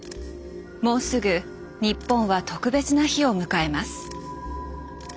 もうすぐ日本は特別な日を迎えます。